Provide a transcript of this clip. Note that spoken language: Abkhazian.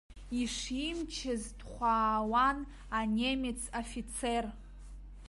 Ишимчыз дхәаауан анемец афицер.